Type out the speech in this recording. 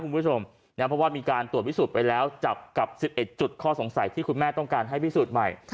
เพราะว่ามีการตรวจวิสูตรไปแล้วจากกับ๑๑จุดข้อสงสัยที่คุณแม่ต้องการให้วิสูตรใหม่